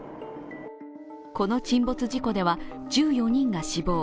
この沈没事故では、１４人が死亡。